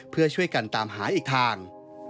เพื่อช่วยกันตามหาอีกทาง